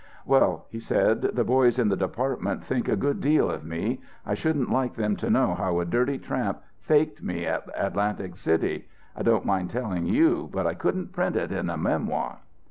"Well," he said, "the boys in the department think a good deal of me. I shouldn't like them to know how a dirty tramp faked me at Atlantic City. I don't mind telling you, but I couldn't print it in a memoir."